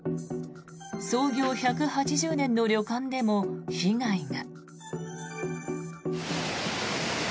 創業１８０年の旅館でも被害が。